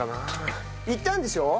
行ったんでしょう？